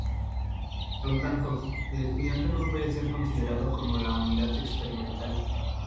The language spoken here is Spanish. Por lo tanto, el estudiante no puede ser considerado como la unidad experimental.